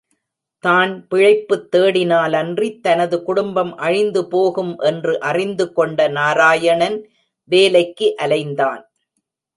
தான் பிழைப்புத் தேடினாலன்றி, தனது குடும்பம் அழிந்துபோகும் என்று அறிந்து கொண்ட நாராயணன் வேலைக்கு அலைந்தான்.